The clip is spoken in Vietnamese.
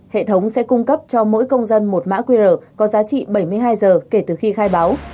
hệ thống sẽ cung cấp cho mỗi công dân một mã qr có giá trị bảy mươi hai giờ